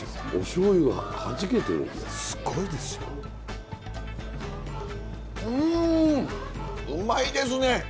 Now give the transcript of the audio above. すごいですよ！